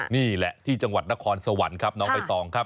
นี่แหละที่จังหวัดนครสวรรค์ครับน้องใบตองครับ